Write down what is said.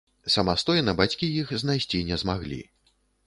Самастойна бацькі іх знайсці не змаглі.